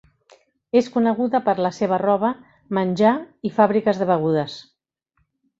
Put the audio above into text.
És coneguda per la seva roba, menjar i fàbriques de begudes.